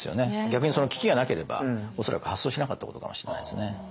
逆にその危機がなければ恐らく発想しなかったことかもしれないですね。